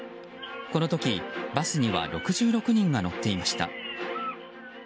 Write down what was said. この時、バスには６６人が乗っていました。